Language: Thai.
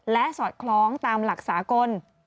และสอดคล้องตามหลักสากล